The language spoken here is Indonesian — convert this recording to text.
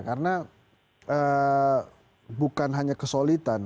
karena bukan hanya kesolitan